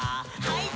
はい。